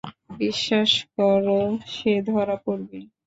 বিশ্বাস কর, সে ধরা পড়বেই।